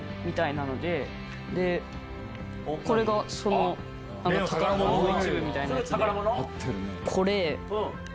これがその宝物の一部みたいなやつで。